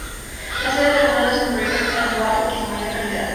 La sede del condado es Hood River, al igual que su mayor ciudad.